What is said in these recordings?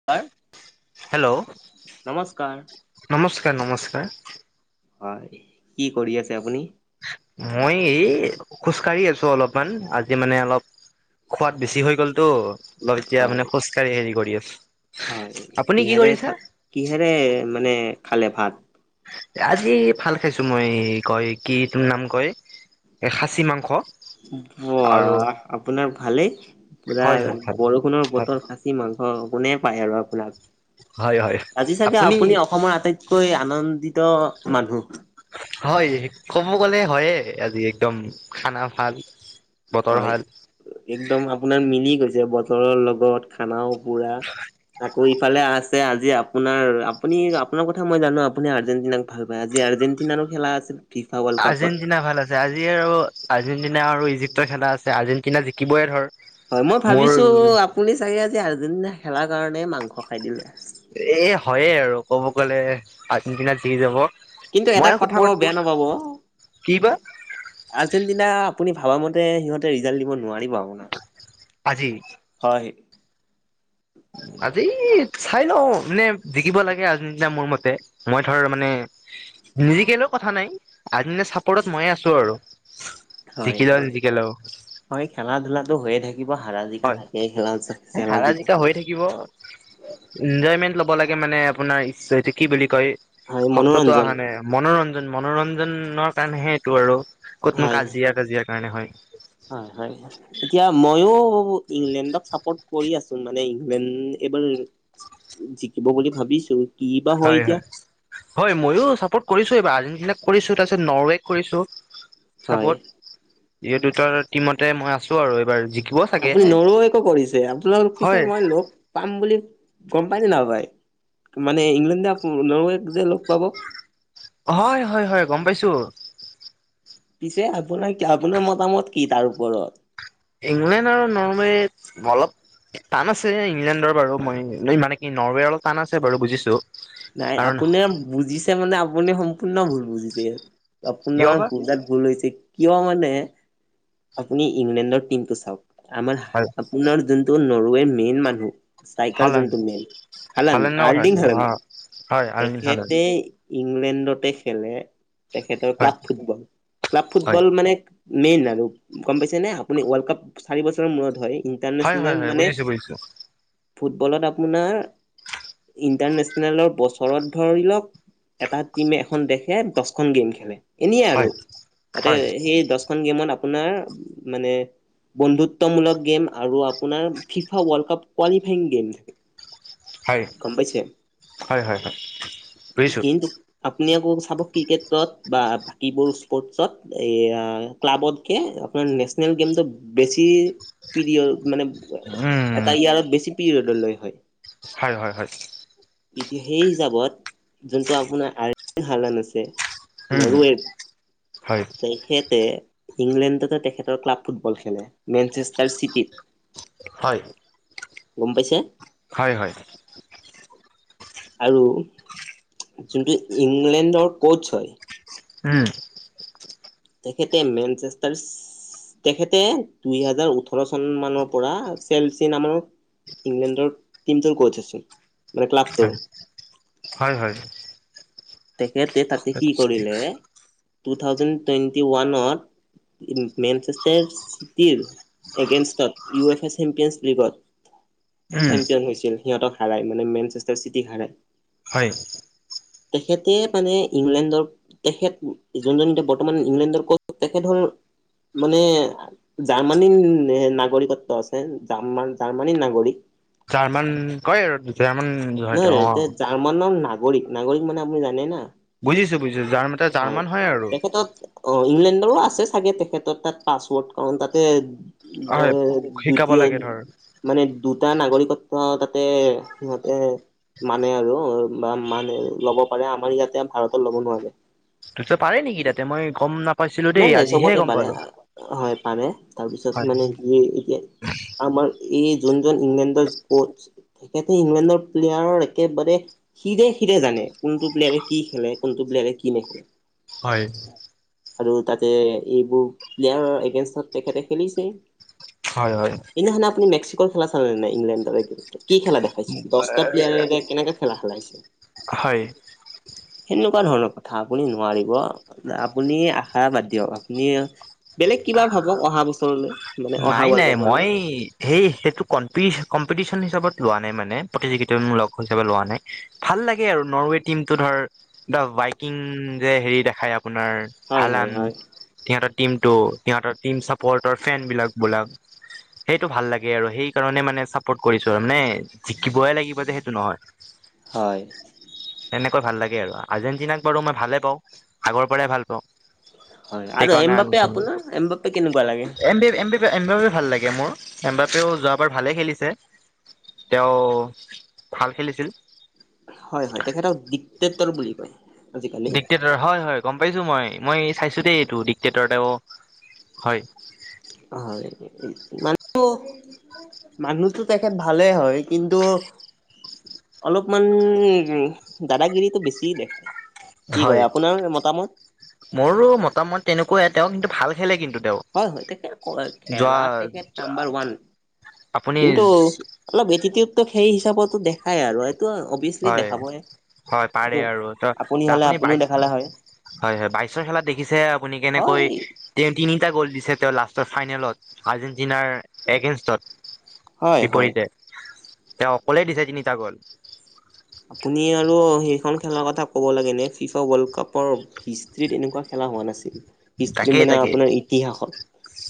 [inaudible] Hello নমস্কাৰ নমস্কাৰ নমস্কাৰ হয়, কি কৰি আছে আপুনি? মই এই খোজকাঢ়ি আছো অলপমান আজি মানে অলপ খোৱাদ বেছি হৈ গলতো অলপ এতিয়া হয়, মানে খোজকাঢ়ি হেৰি কৰি আছো। হয় নিকি কিহেৰে খাল কিহেৰে মানে খালে ভাত। আজি ভাল খাইছো মই কয় কি এইটোৰ নাম কয় এই খাচী মাংস। আৰু ৱাহ আপোনাৰ ভালেই পুৰা হয় হয় বৰষুণৰ ভাল বতৰ খাচী মাংস কোনে পায় আৰু আপোনাক হয় হয় আজি চাগে আপুনি অসমৰ আটাইত কৈ আনন্দিত মানুহ। হয়, ক'ব গ'লে হয়ে আজি একদম খানা ভাল। বতৰ হয়, ভাল একদম আপোনাৰ মিলি গৈছে বতৰৰ লগত খানাও। পুৰা আকৌ ইফালে আছে আজি আপোনাৰ আপুনি আপোনাৰ কথা মই জানো আপুনি আৰ্জেণ্টিনাক ভাল পায় আজি আৰ্জেণ্টিনাৰো খেলা আছিল। ফিফা ৱৰ্ল্ড কাপৰ। আৰ্জেণ্টিনা ভাল আছে আজি আৰু আৰ্জেণ্টিনা আৰু ইজিপ্তৰ খেলা আছে আৰ্জেণ্টিনা জিকিবই ধৰ। হয় মই ভাবিছো মোৰ আপুনি চাগে আজি আৰ্জেণ্টিনাৰ খেলাৰ কাৰণে মাংস খাই দিলে। এ হয়ে আৰু ক'ব গ'লে আৰ্জেণ্টিনা যিকি যাব। কিন্তু মই এটা আকৌ কথা পৰত কও বেয়া নাপাব। কি বা আৰ্জেণ্টিনা আপুনি ভাবামতে সিহঁতে ৰিজাল্ট দিব নোৱাৰিব আপোনাক। আজি হয় আজি চাই লও নে জিকিব লাগে আৰ্জেন্টিনা মোৰ মতে। মই ধৰ মানে নিজিকিলৈও কথা নাই আৰ্জেন্টিনা চাপৰ্টত ময়ে আছো আৰু। হয়, জিকিলেও হয়, নিজিকিলেও হয় খেলা ধূলাটো হৈয়ে থাকে। কিবা হাৰা জিকা হয় থাকে খেল খেৰা জিকা হৈ থাকিব। এনজয়মেন্ট লব লাগে মানে আপোনাৰ এইটো কি বুলি কয় হয় শব্দটো মনোৰঞ্জন অহা নাই। মনোৰঞ্জন মনোৰঞ্জনৰ কাৰণেহে এইটো আৰু ক'তনো হয় কাজিয়া কাজিয়া কাৰণে হয়। হয় হয়। এতিয়া মইয়ো ইংলেণ্ডক চাপৰ্ট কৰি আছো মানে ইংলেণ্ড এইবাৰ জিকিব বুলি ভাবিছো। কি বা হয় এতিয়া হয়। হয় ময়ো চাপৰ্ট কৰিছো এইবাৰ আৰ্জেণ্টিনাক কৰিছো তাৰপিছত নৰৱেক কৰিছো, হয়। চাপৰ্ট। এই দুটা টিমতে মই আছো আৰু এইবাৰ জিকিব চাগে আপুনি নৰেৱকো কৰিছে আপোনাৰ পিছে হয় মই লগ পাম বুলি গম পাই নে নাপায় মানে ইংলেণ্ড যে নৰৱেক যে লগ পাব। হয় হয় হয় গম পাইছো। পিছে আপোনাৰ আপোনাৰ মতামত কি তাৰ ওপৰত? ইংলেণ্ড আৰু নৰৱে অলপ টান আছে ইংলেণ্ডৰ বাৰু মই মানে কি নৰৱেৰ অলপ টান আছে বাৰু বুজিছো। নাই কাৰণ আপুনি বুজিছে মানে আপুনি সম্পূৰ্ণ ভুল বুজিছে। কিয় আপোনাৰ বা বুজাত ভুল হৈছে। কিয় মানে আপুনি ইংলেণ্ডৰ টিমটো চাওক আমাৰ আপোনাৰ যোনটো নৰৱেৰ মেইন মানুহ চাইেল হালান জন্তু মেইন হালান হালানৰ কথা আনডিং কৈছো হোলন অ হয় আলমিন হালান তেখেতে ইংলেণ্ডতে খেলে তেখেতৰ হয় ক্লাব ফুটবল। ক্লাব হয় ফুটবল মানে মেইন আৰু গম পাইছেনে আপুনি ৱৰ্ল্ড কাপ চাৰি বছৰৰ মূৰত হয়। হয় হয় ইণ্টাৰনেচনেল হয় মানে, বুজিছো বুজিছো ফুটবলত আপোনাৰ, ইন্টাৰনেছনেল নেলৰ বছৰত ধৰি লওক এটা টিমে এখন দেখে দচখন গেম খেলে। এনে হয় আৰু তাতে হয় সেই দচখন গেমত আপোনাৰ মানে বন্ধুত্বমূলক গেম আৰু আপোনাৰ ফিফা ৱৰ্ল্ডকাপ ক্লৱালিফাইন গেম হয় গম পাইছে? হয়- হয়- হয়। বুজিছোঁ। কিন্তু আপুনি আকৌ চাব ক্ৰিকেটত বা বাকীবোৰ স্পৰ্টছত এইয়া ক্লাবতকে আপোনাৰ নেশ্যনেল গেমজতো বেছি পিৰিয়ডৰ মানে উম এটা ইয়াৰত বেছি পিৰিয়ড লৈ হয়। হয় হয় হয়। কিন্তু সেই হিচাপত যোনটো আপোনাৰ [unintelligible] আছে। উম নৰোৱেত, হয় তেখেতে ইংলেণ্ডতে তেখেতৰ ক্লাব ফুটবল খেলে, মেনচেষ্টাৰ চিটিত। হয়। গম পাইছে? হয় হয়। আৰু যোনটো ইংলেণ্ডৰ কচ হয়। উম। তেখেতে মেনচেষ্টাৰচ তেখেতে দুই হাজাৰ ওঠৰ চন মানৰ পৰা চেলচি নামৰ ইংলেণ্ডৰ টিমটোৰ কচ আছে। হয়। হয় হয়। তেখেতে তাতে কি কৰিলে, টু থাউজেণ্ড টুৱেণ্টি ওৱানত মেনচেষ্টাৰচ চিটিৰ এগেনষ্টত, ইউ এফ এ চেম্পিয়ন্ছ ত উম চেম্পিয়ন হৈছিল। সিহঁতক হাৰাই, মানে মেনচেষ্টাৰচ চিটিক হাৰায়। হয়। তেখেতে মানে ইংলেণ্ডৰ তেখেত যোনজন এতিয়া বৰ্তমান ইংলেণ্ডৰ ক'ত তেখেত হ'ল মানে জাৰ্মানীৰ নাগৰিকত্ব আছে। জাৰমা-জাৰ্মানীৰ নাগৰিক। জাৰ্মান কয় আৰু! জাৰ্মান হয় তেওঁ নহয়- অ নহয়। জাৰ্মানৰ নাগৰিক। নাগৰিক মানে আপুনি জানে না? বুজিছো-বুজিছো। জাৰ মাতা জাৰ্মান হয় আৰু! তেখেতত অ', ইংলেণ্ডৰো আছে চাগে, তেখেতৰ তাত পাছৱৰ্ড। কাৰণ তাতে হয় [unintelligible] শিকাব দ্বিতীয় লাগে ধৰ মানে দুটা নাগৰিকত্ব তাতে এ মানে আৰু বা মানে ল'ব পাৰে। আমাৰ ইয়াতে ভাৰতত ল'ব নোৱাৰে। তাত পাৰে নেকি তাতে মই গম নাপ নাই- নাই। চবতে পাৰে। হয়, পাৰে তাৰপিছত হয় মানে [unintelligible] এতিয়া আমাৰ ই যোনজন ইংলেণ্ডৰ কচ তেখেতে ইংলেণ্ডৰ প্লেয়াৰ একেবাৰে সিৰে-সিৰে জানে। কোনটো প্লেয়াৰে কি খেলে, কোনটো প্লেয়াৰে কি নেখেলে হয়। আৰু তাতে এইবোৰ প্লেয়াৰৰ এগেনষ্টত তেখেতে খেলিছে। হয় - হয়। [unintelligible] আপুনি মেক্সিকো খেলা চালে নে নাই ইংলেণ্ডৰ কি খেলা দেখিলে দচটা প্লেয়াৰে কেনেকা খেলা, খেলাইছে! হয় সেনেকুৱা ধৰণৰ কথা আপুনি নোৱাৰিব আপুনি আশা বাদ দিয়ক, আপুনি বেলেগ কিবা ভাবক অহা বছৰলৈ! মানে অহা নাই ৱৰ্ল্ড -নাই। কাপলৈ মই সেই, সেইটো কমি কম্পিটিশ্যন হিচাপত লোৱা নাই মানে, প্ৰতিযোগিতামূলক হিচাপে লোৱা নাই। ভাল লাগে আৰু নৰৱে টিমটো ধৰ, দা বাইকিং যে হেৰি দেখায় আপোনাৰ হয় হয় হালান, হয়। সিহঁতৰ টিমটো সিহঁতৰ টিম চা ফেন বিলাক বোলাক সেইটো ভাল লাগে আৰু সেই কাৰণে মানে চাপৰ্ট কৰিছো আৰু নে জিকিবই লাগিব যে সেইটো নহয় হয় তেনেকৈ ভাল লাগে আৰু আৰ্জেণ্টিনাক বাৰু মই ভালে পাওঁ আগৰ পৰাই ভাল পাওঁ হয় আৰু সেইকাৰণে এম বাপে আপোনাৰ এম বাপে কেনেকুৱা লাগে এম এম এম বাপ ভাল লাগে মোৰ এম বাপেও যোৱাবাৰ ভালে খেলিছে তেওঁ ভাল খেলিছিল হয় হয় তেখেতক দিগ টেক্টৰ বুলি কয় আজিকালি। দিগ ক্টেটৰ হয় হয় গম পাইছোঁ মই মই চাইছোঁ দেই এইটো দিগ টেক্টেটৰতে অ হয় [unintelligible] মানুহটো তেখেত ভালেই হয় কিন্তু অলপমান দাদাগিৰিতটো বেছি দেখায় কি হয় কয় আপোনাৰ মতামত মোৰো মতামত তেনেকুৱয়াই তেওঁ কিন্তু ভাল খেলে কিন্তু তেওঁ হয় হয় তেখেত [unintelligible] যোৱা খেলা তেখেত নাম্বাৰ ওৱান আপুনি কিন্তু অলপ এটিটিউডো সেই হিচাপতো দেখাই আৰু এইটো অভিয়াচলি হয় দেখাবই হয় এইটো পাৰে আৰু ত হ'লে আপুনি আপুনিও বাইছ দেখালে হয় হয় হয় বাইশৰ খেলাত দেখিছে আপুনি কেনেকৈ হয় তেওঁ তিনিটা গ'ল দিছে তেওঁ লাষ্টৰ ফাইনেলত আৰ্জেণ্টিনাৰ এগেইনষ্টত হয় হয়। বিপৰীতে তেওঁ অকলে দিছে তিনিটা গ'ল আপুনি আৰু সেইখন খেলৰ কথা হ'ব লাগে ইনে ফিফা ৱৰ্ল্ড কাপৰ হিষ্ট্ৰিত এনেকুৱা খেলা হোৱা নাছিল। হিষ্ট্ৰী তাকেই মানে তাকেই আপোনাৰ ইতিহাসত,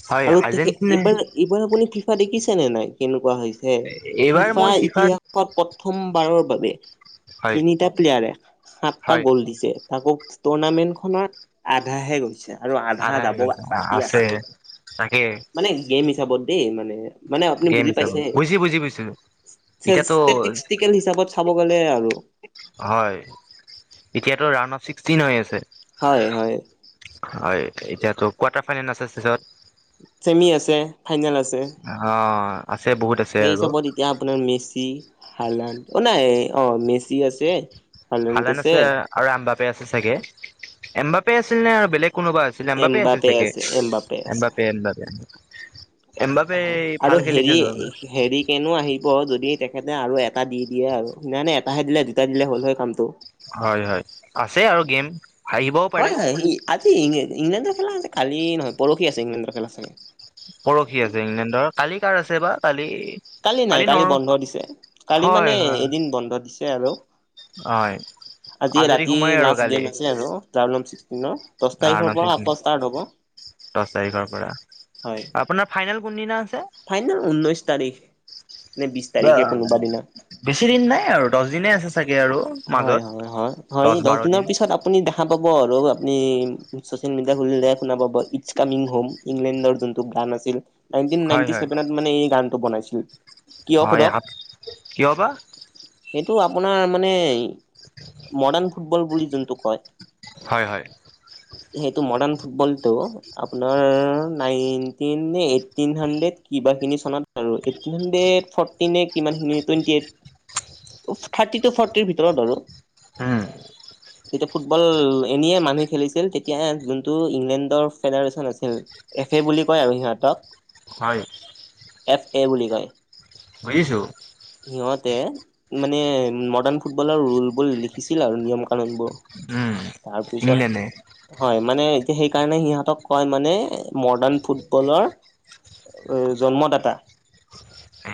হয় আৰু তেখেত আৰ্জেণ্টিনা এইবাৰ এইবাৰ আপুনি ফিফা দেখিছেনে নাই? কেনেকুৱা হৈছে, এইবাৰ ফিফা মই ফিফাত ইতিহাস প প্ৰথমবাৰৰ বাবে হয় তিনিটা প্লেয়াৰে সাতটা হয় গ'ল দিছে। তাকো টুৰ্নামেণ্ট খনৰ আধাহে গৈছে। আৰু আধা হৈ যাব গৈছে বাকী আছে আছেই। তাকে মানে গেম হিচাপত দেই মানে মানে আপুনি গেম বুজি হিচাপ পাইছে? বুজি বুজি পাইছো এতিয়াতো কেল হিচাপত চাব গ'লে আৰু হয়, এতিয়াতো ৰাওনা ছিক্সটিন হৈ আছে। হয় হয়। হয় এতিয়াতো, কোৱাৰ্টাৰ ফাইনেল আছে চিছত। চেমি আছে, ফাইনেল আছে। অ আছে বহুত আছে সেই আৰু হিচাবত এতিয়া আপোনাৰ মেচি হালান অঁ নাই অঁ মেচি আছে। হালান আছে আৰু আম্বাপে আছে চাগে। এম্বাপে আছিল নে আৰু বেলেগ কোনোবা আ ছিল আম্বাপেই আছিল এমবাপে চাকে আছে এমবাপে আছে আম্বাপে আম্বাপে হয় আৰু হেৰি এ হেৰিক কেনো আহিব, যদি তেখেতে আৰু এটা দি দিয়ে আৰু সেনানি এটাহে দিলে দুটা দিলে হ'ল হয় কামটো। হয় হয় আছেই আৰু গেম। আহিবও পাৰে হয় হয় ই, আজি ইং ইংলেণ্ডৰ খেলা আছে কালি নহয় পৰখি আছে ইংলেণ্ডৰ খেলা চাগে। পৰখি আছে ইংলেণ্ডৰ। কালি কাৰ আছে বা কালি কালি নাই কালি বন্ধ দিছে, কালি মানে হয় হয় এদিন বন্ধ দিছে আৰু হয় আজি আজৰি ৰাতি সময়ে আৰু লাষ্ট কালি গেম আছে আৰু ৰামলম চিক্সটিনৰ। দচ তাৰিখৰ পৰা আকৌ ষ্টাৰ্ট হ'ব। দহ তাৰিখৰ পৰা হয়। আপোনাৰ ফাইনেল কোনদিনা আছে? ফাইনেল ঊনৈশ তাৰিখ। নে বিশ তাৰিখে কোনোবা দিনা। [unintelligible] বেছি দিন নাই আৰু দচ দিনে আছে চাগে আৰু। হয় মাজত হয় হয় হয়। দহ দচ বাৰ দিনৰ দিন পিছ আ পুনি দেখা পাব, আৰু আপুনি চচিয়েল মিডিয়া খুলিলে শুনা পাব ইটচ কামিং হুম। ইংলেণ্ডৰ যোনটো গান আছিল। নাইনটিন হয় নাইনটি হয় চছেভেনত মানে এই গানটো বনাইছিল। কিয় হয় সোধক এখন কিয় বা? সেইটো আপোনাৰ মানে, মডাৰ্ণ ফুটবল বুলি যোনটো কয়। হয় হয়। সেইটো মডাৰ্ণ ফুটবলটো। আপোনাৰ নাইনটিন নে এইটটিন হান্দেদ কিবা খিনি চনত আৰু এইটটিন হাণ্ডেড ফৰ্টিনে কিমানখিনি টুৱেণ্টি এইট উপ। থাৰ্টি টু ফৰ্টিৰ ভিতৰত আৰু। উম তেতিয়া ফুটবল এনিয়ে মানুহে খেলিছিল, তেতিয়া এ যোনটো ইংলেণ্ডৰ ফেডাৰচন আছিল। এফে বুলি কয় আৰু সিহঁতক। হয়। এফ এ বুলি কয়। বুজিছো। সিহঁতে মানে মডাৰ্ণ ফুটবলৰ ৰুল বোৰ লিখিছিল আৰু নিয়ম-কানুন বোৰ। উম তাৰ পিছত ইংলেণ্ডে হয় মানে, এতিয়া সেইকাৰণে সিহঁতক কয় মানে এ মডাৰ্ণ ফুটবলৰ অ এই জন্মদাতা।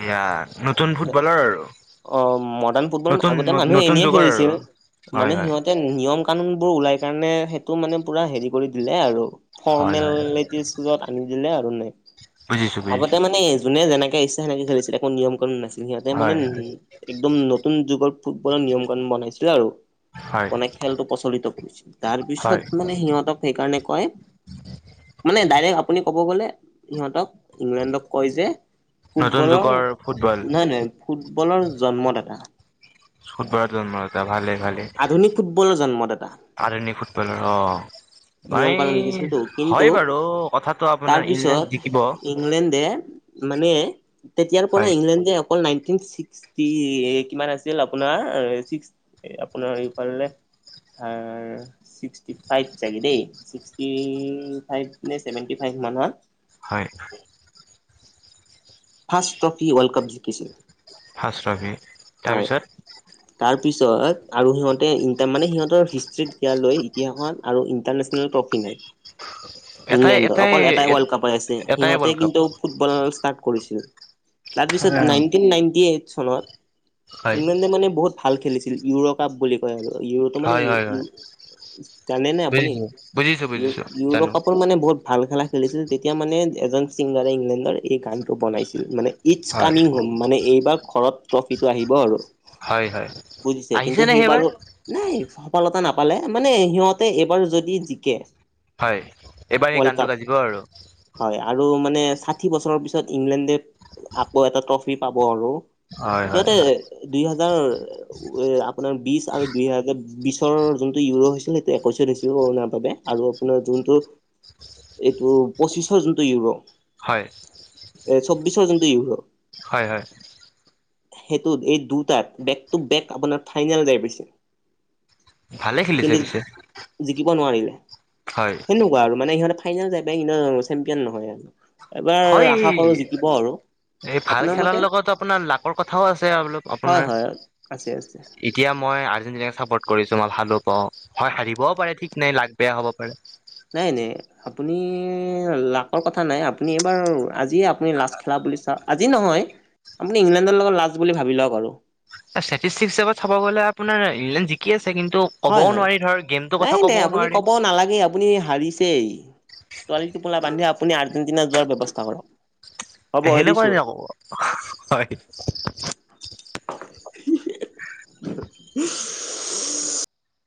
এয়া নতুন ফুটবলাৰ আৰু। অ মডাৰ্ণ ফুটবল নতুন আগতে মানুহে নতুন এনেয়ে যুগৰ আৰু খেলিছিল মানে হয় হয় সিহঁত- এ নিয়ম কানুন বোৰ ওলাই কাৰণে সেইটো মানে পুৰা হেৰি কৰি দিলে আৰু। হয় হয় ফৰমেলনেতিচিজত আনি দিলে আৰু নেক্স বুজিছো আগতে বুজিছো মানে যোনে যেনেকে ইছ- তে সেনেকে খেলিছিলে একো নিয়ম-কানুন নছিল সিহঁতে হয় মানে- একদম নতুন যুগৰ ফুটবলৰ নিয়ম কাণুন বনাইছিলে আৰু হয় বনাই- খেলটো প্ৰচলিত কৰিছিল তাৰ হয় পিছত মানে সিহঁতক সেইকাৰণে কয় - মানে ডাইৰেক্ট আপুনি কব গলে সিহঁতক ইংলেণ্ডক কয় যে, নতুন ফুটবলৰ যুগৰ ফুটবল নহয় নহয় ফুটবলৰ জন্মদাতা। ফুটবলত জন্মদাতা ভালে ভালে আধুনিক ফুটবলৰ জন্মদাতা। আধুনিক ফুটবলৰ অঁ। নিয়ম কানুন মাই লিখিছিলতো কিন্তু হয় বাৰু কথাটো আপোনাৰ তাৰপিছত ইংলেণ্ড জিকিব। ইংলেণ্ডে মানে তেতিয়াৰ পৰা হয় ইংলেণ্ডে অকল নাইনটিন ছিক্স- টি কিমান আছিল আপোনাৰ ছিক্স আপোনাৰ এইফালে - হাঁ। ছিক্সটি ফাইভ চাগে দেই ছিক্সটি ফাইভ নে চেভেণ্টি ফাইভ মানৰ- হয়। ফাৰ্ষ্ট ট্ৰফি ৱৰ্ল্ড কাপ জিকিছিল। First trophy. হয়। তাৰপিছত আৰু সিহঁতে ই তাৰমানে সিহঁতৰ হিষ্ট্ৰীত ইতিয়া লৈ ইতিহাসত - আৰু ইণ্টাৰনেশ্যনেল ট্ৰফি নাই। ইংলেণ্ডৰ অকল এটাই ৱৰ্ল্ড কাপে আছে এটাই সিহঁতে ৱৰ্ল্ড কাপ কিন্তু, - ফুটবল ষ্টাৰ্ট কৰিছিল তাৰপিছত নাইনটিন নাইনটি এইট চনত হয় ইংলেণ্ডে মানে বহুত ভাল খেলিছিল ইউৰ কাপ বুলি কয় আৰু ইউৰোটো মানে হয় হয় হয় - জানে নে আপুনি বুজিছো বুজিছো ইউ বুজিছো জানো ইউৰোকাপৰ মানে বহুত - ভাল খেলা খেলিছিল তেতিয়া মানে এজন ছিংগাৰে ইংলেণ্ডৰ এই গানটো বনাইছিল। মানে- ইটছ হয় কামিং হোম মানে এইবাৰ ঘৰত ট্ৰফিটো আহিব আৰু। হয় হয় বুজিছে আহিছে কিন্তু নে সেইবাৰ সেইবাৰো- নাই সফলতা নাপালে মানে সিহঁতে এইবাৰ যদি জিকে - হয়, এইবাৰ সেই গানটো বাজিব আৰু। হয় আৰু মানে ষাঠি বছৰৰ পিছত ইংলেণ্ডে আকৌ এটা ট্ৰফি পাব আৰু। হয় হয় সিহঁতে হয় দুই হাজাৰ- আপোনাৰ বিশ আৰু দুই হাজাৰ বিশৰ যোনটো ইউৰোপ হৈছিল যে সেইটো একৈশত হৈছিল কৰণাৰ বাবে আৰু- আপোনাৰ যোনটো এইটো পঁচিছৰ যোনটো ইউৰো- হয়, এ চৌবিশৰ যোনটো ইয়ৰোহ। হয় হয়। সেইটোত এই দুটাত বেক টু বেক আপোনাৰ ফাইনেল যায় পাইছে। ভালে খেলিছে কিন্তু পিছে। জিকিব নোৱাৰিলে হয় সেনকুৱা আৰু মানে ইহঁতে ফাইনেল যায় পায় এনেও চেম্পিয়ন নহয় আৰু। এবাৰ হয় আশা কৰো জিকিব আৰু। এই ভাল আপোনাৰ খেলাৰ মতে? লগত আপোনাৰ লাকৰ কথাও আছে এবিলাকত হয় আপোনাৰ। হয় আছে আছে ইতিয়া মই আৰ্জেণ্টিনাক চাপৰ্ট কৰিছো মই ভালো পাওঁ হয় হাৰিবও পাৰে ঠিক নাই লাগ বেয়া হ'ব পাৰে। নাই নাই। আপুনি লাকৰ কথা নাই। আপুনি এইবাৰ আজিয় আপুনি লাষ্ট খেলা বুলি চাওক আজি নহয়। আপুনি ইংলেণ্ডৰ লগত লাজ বুলি ভাবি লওক আৰু। হিচত চাব গলে আপোনাৰ ইংলেণ্ড জিকি আছে। কিন্তু, হয় ক'বও হয় নোৱাৰি ধৰ গেমটোৰ কথা নাই নাই ক'বও আপুনি নোৱাৰি ক'ব নালাগে। আপুনি হাৰিছেই তোৱালি টোপোলা বান্ধি আপুনি আৰ্জেন্টিনা যোৱাৰ ব্যৱস্থা কৰক। হ'ব সেনেকুৱা এৰিছো। ন আকৌ হয়। [unintelligible]